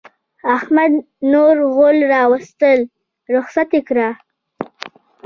احمد نور غول راوستل؛ رخصت يې کړه.